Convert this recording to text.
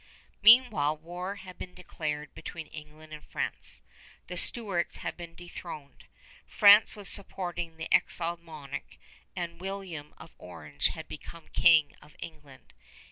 Meanwhile war had been declared between England and France. The Stuarts had been dethroned. France was supporting the exiled monarch, and William of Orange had become king of England.